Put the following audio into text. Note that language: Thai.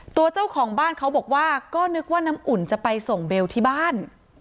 เจ้าของบ้านเขาบอกว่าก็นึกว่าน้ำอุ่นจะไปส่งเบลที่บ้าน